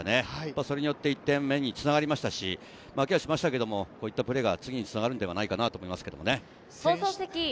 それによって１点目につながりましたし、負けはしましたけれど、こういったプレーが次につながるのではないかなと思います。